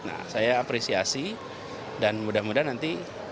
nah saya apresiasi dan mudah mudahan nanti ke depan kita bisa